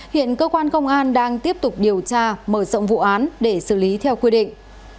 hiện cơ quan công an đang tiếp tục điều tra mở rộng vụ án để xử lý theo quy định